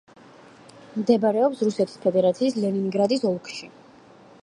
მდებარეობს რუსეთის ფედერაციის ლენინგრადის ოლქში.